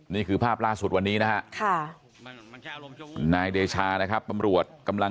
นี่คือภาพล่าสุดวันนี้นะครับค่ะ